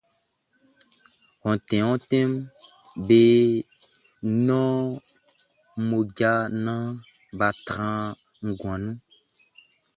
Ontin ontin be nɔn mmoja naan bʼa tran nguan nun.